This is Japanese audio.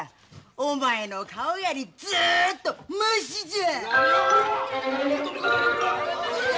お前の顔よりずっとましじゃ！